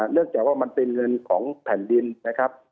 เนื่องจากว่ามันเป็นเงินของแผ่นดินนะครับ